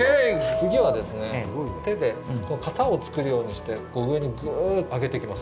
次はですね、手で型を作るようにして上にぐうっと上げていきます。